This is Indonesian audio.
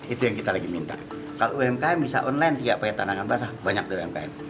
itu yang kita lagi minta kalau umkm bisa online tidak pakai tanaman basah banyak umkm